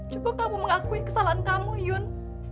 coba kamu mengakui kesalahan kamu yun